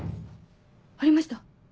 ありました？